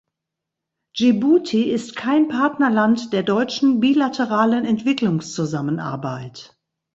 Dschibuti ist kein Partnerland der deutschen bilateralen Entwicklungszusammenarbeit.